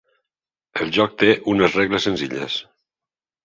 El joc té unes regles senzilles.